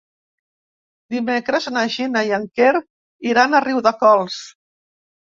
Dimecres na Gina i en Quer iran a Riudecols.